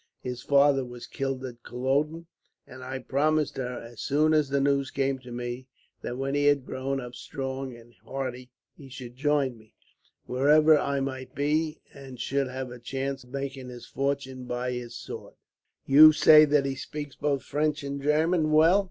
His father was killed at Culloden, and I promised her, as soon as the news came to me, that when he had grown up strong and hearty he should join me, wherever I might be, and should have a chance of making his fortune by his sword.' "'You say that he speaks both French and German well?